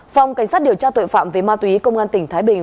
phòng cảnh sát điều tra tội phạm về ma túy công an tỉnh thái bình